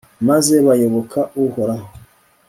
maze bayoboka uhoraho